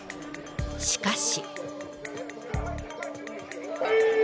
しかし。